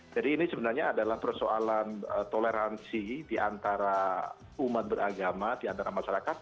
jadi ini sebenarnya adalah persoalan toleransi diantara umat beragama diantara masyarakat